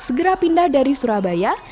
segera pindah dari surabaya